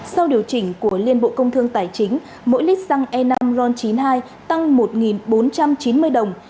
sau điều chỉnh của liên bộ công thương tài chính mỗi lít xăng e năm ron chín mươi hai tăng một bốn trăm chín mươi đồng